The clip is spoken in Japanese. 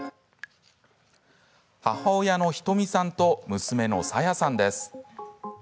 母親のひとみさんと娘のさやさんです。